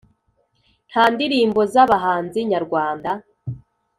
Nta ndirimbo zabahanzi nyarwanda